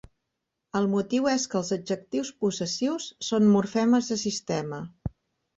El motiu és que els adjectius possessius són morfemes de sistema.